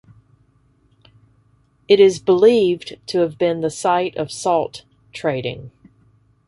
It is believed to have been the site of salt trading.